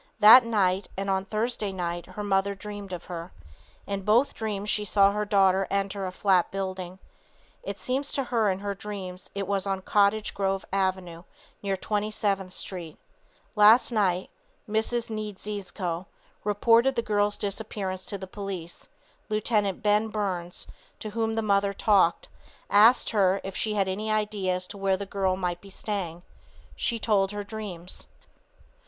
That night and on Thursday night her mother dreamed of her. In both dreams she saw her daughter enter a flat building. It seems to her in her dreams it was on Cottage Grove avenue, near 27th street. Last night Mrs. Niedziezko reported the girl's disappearance to the police. Lieut. Ben Burns, to whom the mother talked, asked her if she had any idea as to where the girl might be staying. She told her dreams.